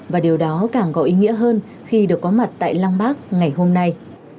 và điều đó càng có ý nghĩa hơn khi được có mặt tại lăng bác ngày hôm nay